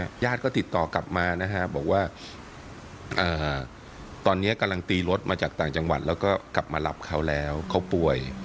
ญาติก็ติดต่อกลับมานะฮะบอกว่าตอนนี้กำลังตีรถมาจากต่างจังหวัดแล้วก็กลับมารับเขาแล้วเขาป่วย